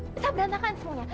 bisa berantakan semuanya